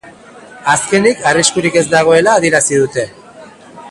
Azkenik, arriskurik ez dagoela adierazi dute.